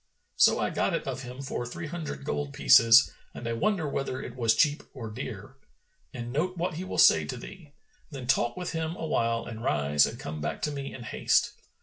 So I got it of him for three hundred gold pieces and I wonder whether it was cheap or dear.' And note what he will say to thee. Then talk with him awhile and rise and come back to me in haste.